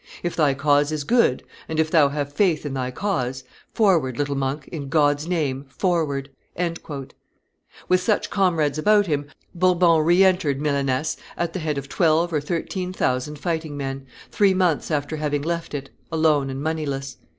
If thy cause is good, and if thou have faith in thy cause, forward! little monk, in God's name forward!" With such comrades about him, Bourbon re entered Milaness at the head of twelve or thirteen thousand fighting men, three months after having left it, alone and moneyless.